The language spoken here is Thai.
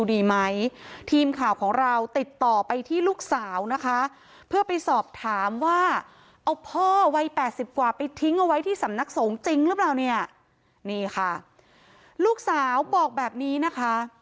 นี่ค่ะลูกสาวบอกแบบนี้นะคะ